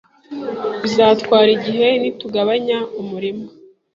Bizatwara igihe nitugabanya umurima